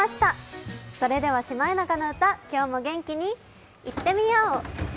それでは「シマエナガの歌」今日も元気にいってみよう。